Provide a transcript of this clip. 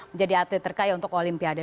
menjadi atlet terkaya untuk olimpiade